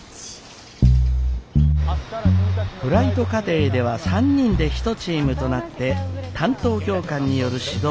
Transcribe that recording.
フライト課程では３人で一チームとなって担当教官による指導を受けます。